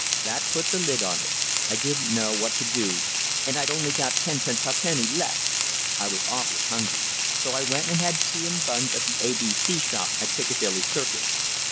That put the lid on it. I didn't know what to do, and I'd only got tenpence ha'penny left. I was awfully hungry, so I went and had tea and buns at the A.B.C. shop at Piccadilly Circus.